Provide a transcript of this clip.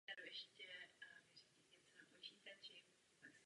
Otec jej unese do divočiny.